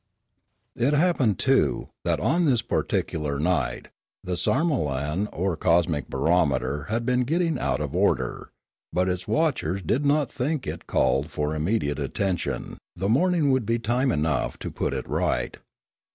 It happened, too, that on this particular night the sarmolan or cosmic barometer had been getting out of order; but its watchers did not think it called for im mediate attention; the morning would be time enough to put it right.